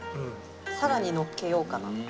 さらにのっけようかなと。